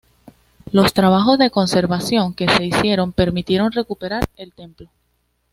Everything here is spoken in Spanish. Los trabajos de conservación que se hicieron permitieron recuperar el templo.